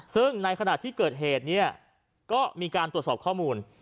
ซึ่งในขณะที่เกิดเหตุเนี่ยก็มีการตรวจสอบข้อมูล